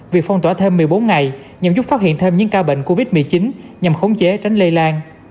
việc phong tỏa thêm một mươi bốn ngày nhằm giúp phát hiện thêm những ca bệnh covid một mươi chín nhằm khống chế tránh lây lan